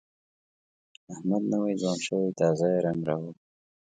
احمد نوی ځوان شوی، تازه یې رنګ راوړ.